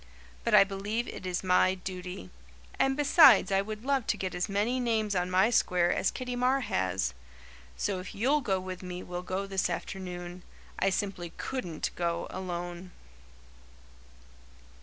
But I believe it is my duty; and besides I would love to get as many names on my square as Kitty Marr has. So if you'll go with me we'll go this afternoon. I simply COULDN'T go alone."